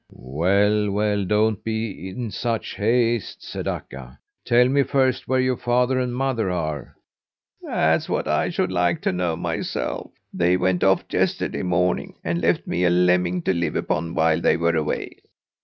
"Well, well, don't be in such haste," said Akka. "Tell me first where your father and mother are." "That's what I should like to know myself. They went off yesterday morning and left me a lemming to live upon while they were away.